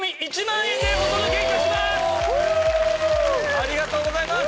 ありがとうございます！